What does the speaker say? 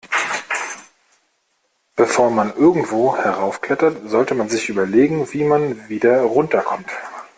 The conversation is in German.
Bevor man irgendwo heraufklettert, sollte man sich überlegen, wie man wieder runter kommt.